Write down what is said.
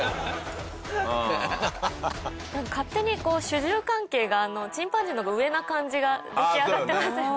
勝手に、主従関係がチンパンジーの方が上な感じが出来上がってますよね。